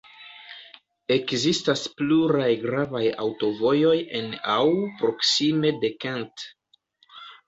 Ekzistas pluraj gravaj aŭtovojoj en aŭ proksime de Kent.